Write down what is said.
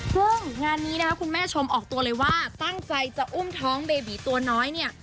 ซึ่งงานนี้นะคะคุณแม่ชมออกตัวเลยว่าตั้งใจจะอุ้มท้องเบบีตัวน้อยเนี่ย